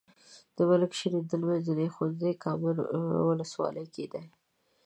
د ملک شیریندل منځنی ښوونځی کامې ولسوالۍ کې دی.